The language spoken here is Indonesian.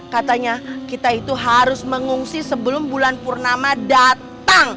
katanya kita itu harus mengungsi sebelum bulan purnama datang